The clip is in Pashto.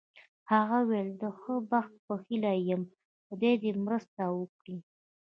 هغه وویل: د ښه بخت په هیله یې یم، خدای یې مرسته وکړي.